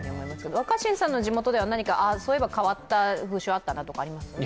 若新さんの地元では、変わった風習あったなとかありますか。